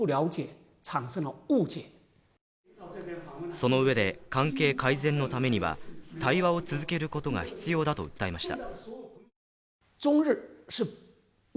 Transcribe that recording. その上で、関係改善のためには対話を続けることが必要だと訴えました。